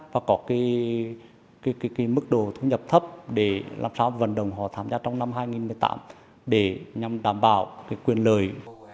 và có cái mức đồ thu nhập thấp để làm sao vận động họ tham gia trong năm hai nghìn một mươi tám để nhằm đảm bảo cái quyền lợi